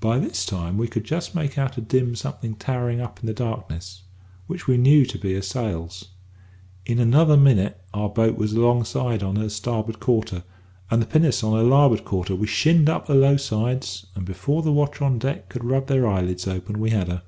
"By this time we could just make out a dim something towering up in the darkness, which we knew to be her sails. In another minute our boat was alongside on her starboard quarter, and the pinnace on her larboard quarter; we shinned up her low sides, and before the watch on deck could rub their eyelids open, we had her.